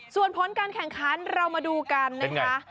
ส่วนผลการแข่งขันเรามาดูกันนะคะ